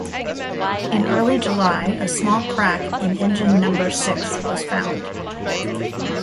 In early July, a small crack in engine number six was found.